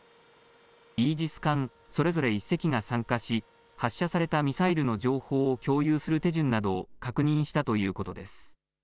イージス艦それぞれ１隻が参加し、発射されたミサイルの情報を共有する手順などを確認したということです。